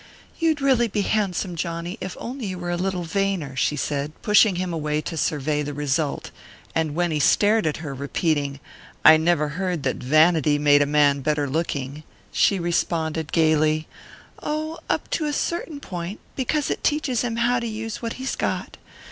"You'd really be handsome, Johnny, if you were only a little vainer," she said, pushing him away to survey the result; and when he stared at her, repeating: "I never heard that vanity made a man better looking," she responded gaily: "Oh, up to a certain point, because it teaches him how to use what he's got.